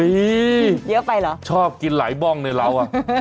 เยอะไปเหรอชอบกินหลายบ้องในเราอ่ะ